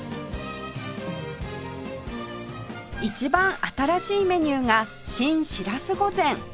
一番新しいメニューが新しらす御膳